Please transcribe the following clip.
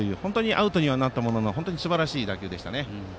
アウトにはなったものの本当にすばらしい打球でした。